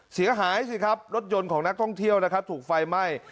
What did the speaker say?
เสียหายสิครับรถยนต์ของนักท่องเที่ยวนะครับถูกไฟไหม้